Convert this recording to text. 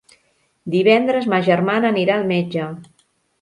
Divendres ma germana anirà al metge.